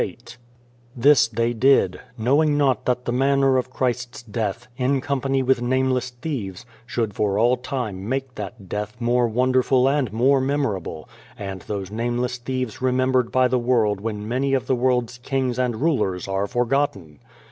The Face This they did, knowing not that the manner of Christ's death, in company with nameless thieves, should for all time make that death more wonderful and more memorable, and those nameless thieves remembered by the world when many of the world's kings and rulers are forgotten.